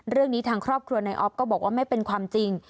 เรื่องนี้ทางครอบครัวนายออฟก็บอกว่าไม่เป็นความจริง